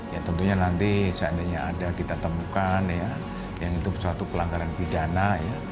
ya tentunya nanti seandainya ada kita temukan ya yang itu suatu pelanggaran pidana